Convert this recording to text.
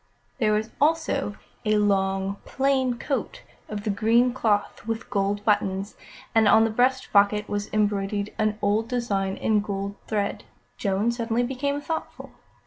There was also a long, plain coat of the green cloth, with gold buttons, and on the breast pocket was embroidered an odd design in gold thread. Joan suddenly became thoughtful.